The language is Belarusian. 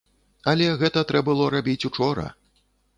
Але гэта трэ было рабіць учора.